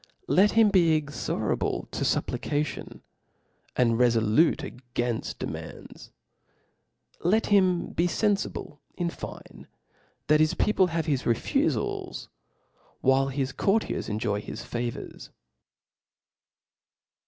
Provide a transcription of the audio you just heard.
Let him be iC^orable to Ijupplication, and refolute.agajnft der mand3; 'let him be fenfiblein fine, that his people have his fefufals, while his courtiers enjoy his favqrs.